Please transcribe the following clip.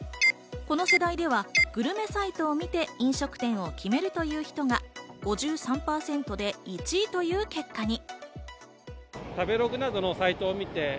この世代ではグルメサイトを見て飲食店を決めるという人が５３％で１位という結果に。